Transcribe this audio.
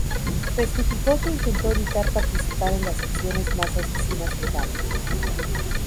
Testificó que intentó evitar participar en las acciones más asesinas del campo.